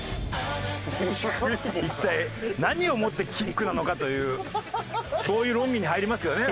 一体何をもってキックなのかというそういう論議に入りますけどね。